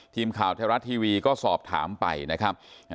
ทีมข่าวไทยรัฐทีวีก็สอบถามไปนะครับ